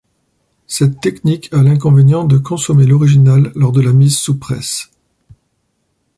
Cette technique a l'inconvénient de consommer l'original lors de la mise sous presse.